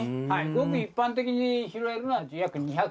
ごく一般的に拾えるのは約２００種類ぐらい。